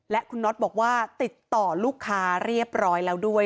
และคุณน็อตบอกว่าติดต่อลูกค้าเรียบร้อยแล้วด้วย